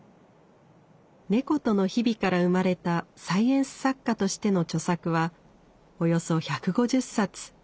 猫との日々から生まれたサイエンス作家としての著作はおよそ１５０冊。